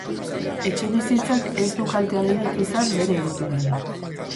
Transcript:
Etxebizitzak ez du kalte handirik izan bere egituran.